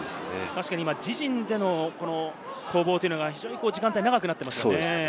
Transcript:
確かに今、自陣での攻防というのが時間帯が長くなっています。